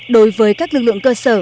đối với các lực lượng cơ sở